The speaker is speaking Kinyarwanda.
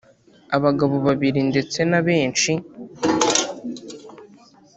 Abagabo babiri ndetse na benshi,